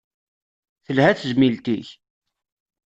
Telha tezmilt-ik?